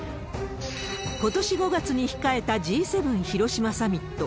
ことし５月に控えたＧ７広島サミット。